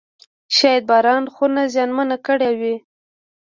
شاید باران خونه زیانمنه کړې وي.